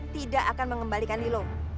tidak akan mengembalikan nilo